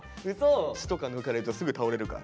血とか抜かれるとすぐ倒れるから。